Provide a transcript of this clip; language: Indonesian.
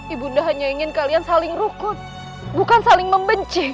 ibu nda hanya ingin kalian saling rukun bukan saling membenci